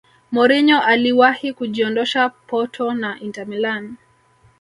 mourinho aliwahi kujiondosha porto na inter milan